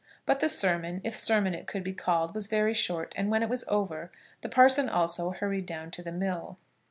But the sermon, if sermon it could be called, was very short; and when it was over, the parson also hurried down to the mill.